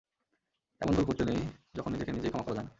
এমন ভুল করতে নেই, যখন নিজেকে নিজেই ক্ষমা করা যায় না।